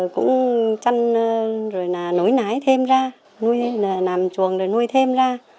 cũng chăn rồi là nối nái thêm ra nằm chuồng rồi nuôi thêm ra